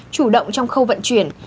chủ động trong khâu vận chuyển